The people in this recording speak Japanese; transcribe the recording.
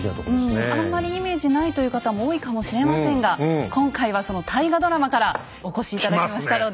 あんまりイメージないという方も多いかもしれませんが今回はその大河ドラマからお越し頂きましたので。